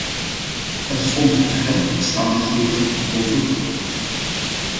Dat is onder de huidige omstandigheden behoorlijk hoog.